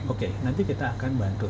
oke nanti kita akan bantu